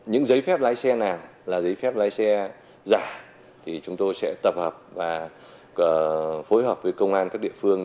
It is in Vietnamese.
những giấy phép lái xe nào là giấy phép lái xe giả thì chúng tôi sẽ tập hợp và phối hợp với công an các địa phương